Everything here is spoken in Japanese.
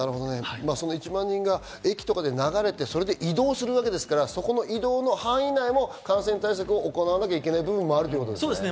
１万人が駅に流れて移動するので、そこの移動の範囲内も感染対策を行わなきゃいけない部分もあるということですね。